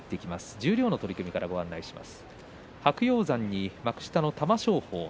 十両の取組からご案内します。